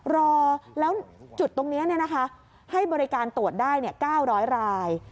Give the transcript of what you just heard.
รอแล้วจุดตรงนี้ให้บริการตรวจได้๙๐๐ราย